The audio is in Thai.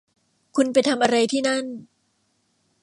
คุณไปทำอะไรที่นั่น